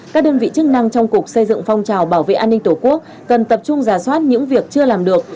các đơn vị chức năng trong cục xây dựng phong trào bảo vệ an ninh tổ quốc cần tập trung giả soát những việc chưa làm được